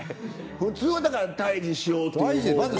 普通はだから退治しようという方法。